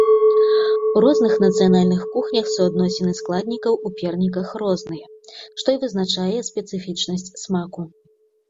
У розных нацыянальных кухнях суадносіны складнікаў у перніках розныя, што і вызначае спецыфічнасць смаку.